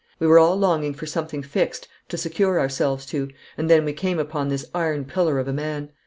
We were all longing for something fixed to secure ourselves to, and then we came upon this iron pillar of a man.